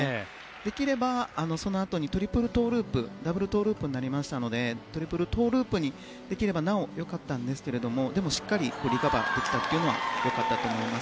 できればそのあとにトリプルトウループダブルトウループになりましたのでトリプルトウループにできればなお良かったんですがしっかりリカバリーできたのは良かったと思います。